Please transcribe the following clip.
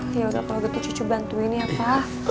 yaudah kalau gitu cucu bantuin ya pa